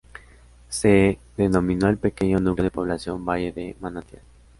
Se denominó al pequeño núcleo de población Valle de Manantial.